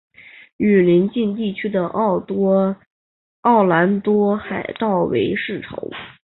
与邻近地区的奥兰多海盗为世仇。